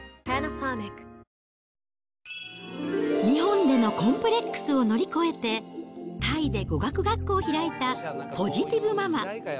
日本でのコンプレックスを乗り越えて、タイで語学学校を開いたポジティブママ。